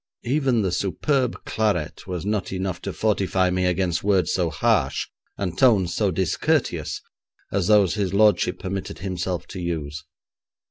Even the superb claret was not enough to fortify me against words so harsh, and tones so discourteous, as those his lordship permitted himself to use.